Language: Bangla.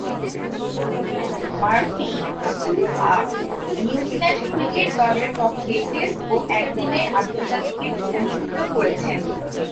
মার্ফি সু’য়া নিউজিল্যান্ড ক্রিকেট দলের পক্ষে টেস্ট ও একদিনের আন্তর্জাতিকে প্রতিনিধিত্ব করেছেন।